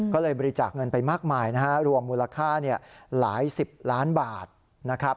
ก็เลยบริจาคเงินไปมากมายนะฮะรวมมูลค่าหลายสิบล้านบาทนะครับ